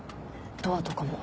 ドアとかも。